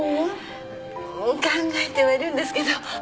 考えてはいるんですけどまだ。